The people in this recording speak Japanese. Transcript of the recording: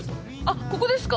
ここですか？